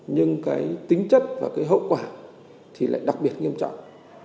nhưng cái tính chất và cái hậu quả thì lại đặc biệt nghiêm trọng